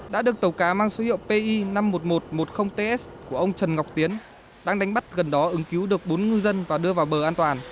đã được tàu cá mang số hiệu pi năm mươi một nghìn một trăm một mươi ts của ông trần ngọc tiến đang đánh bắt gần đó ứng cứu được bốn ngư dân và đưa vào bờ an toàn